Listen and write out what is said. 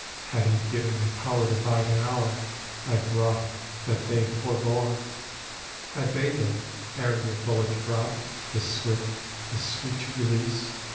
Had He given me power to bide an hour I had wrou^t that they forebore. " I bade them, ere your bullet brought This swift, this sweet release.